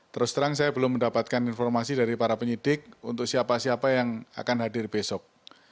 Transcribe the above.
terus terang saya belum mendapatkan informasi dari para penyidik untuk siapa siapa yang akan hadir besok